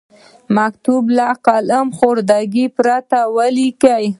مکتوب له قلم خوردګۍ پرته ولیکئ.